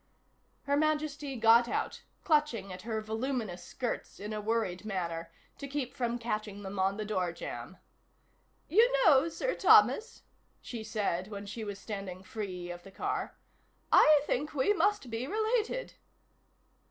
Her Majesty got out, clutching at her voluminous skirts in a worried manner, to keep from catching them on the door jamb. "You know, Sir Thomas," she said when she was standing free of the car, "I think we must be related."